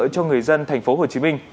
cho người dân tp hcm